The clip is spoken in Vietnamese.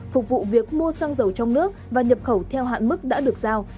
phục vụ việc mua xăng dầu trong nước và nhập khẩu theo hạn mức đã được giao